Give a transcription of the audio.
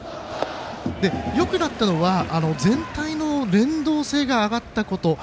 よくなったのは全体の連動性が上がったこと。